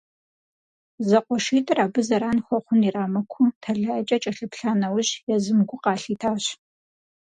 Зэкъуэшитӏыр абы зэран хуэхъун ирамыкуу тэлайкӏэ кӏэлъыплъа нэужь, езым гу къалъитащ.